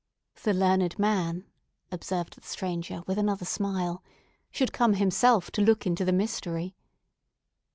"The learned man," observed the stranger with another smile, "should come himself to look into the mystery."